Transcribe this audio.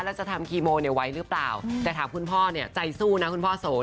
แล้วจะทำคีโมไว้หรือเปล่าแต่ถามคุณพ่อใจสู้นะคุณพ่อโส